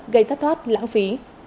gây thất thoát lãng phí